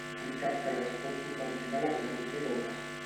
En cap cas es pot subvencionar l'execució d'obres.